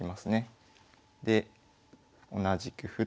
で同じく歩と。